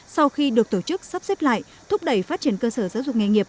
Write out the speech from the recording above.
sau khi được tổ chức sắp xếp lại thúc đẩy phát triển cơ sở giáo dục nghề nghiệp